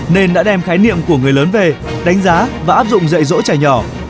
nên đã đem khái niệm của người lớn về đánh giá và áp dụng dạy dỗ trẻ nhỏ